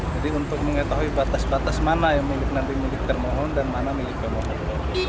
jadi untuk mengetahui batas batas mana yang milik nanti milik termohon dan mana milik termohon